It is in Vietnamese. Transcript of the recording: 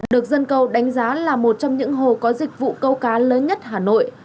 được dân cầu đánh giá là một trong những hồ có dịch vụ câu cá lớn nhất hà nội